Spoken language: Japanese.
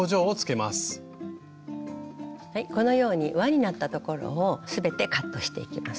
このように輪になったところを全てカットしていきます。